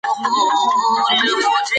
لین جریان په منظم ډول نه لیږدوي.